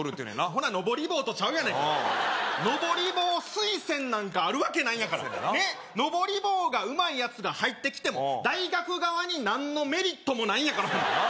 ほなのぼり棒とちゃうやないかいのぼり棒推薦なんかあるわけないんやからのぼり棒がうまいやつが入ってきても大学側に何のメリットもないんやからせやな